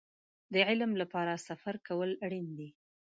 د علم لپاره سفر کول اړين دی.